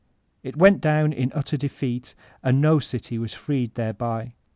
It went down in utter defeat, and no city was freed thereby.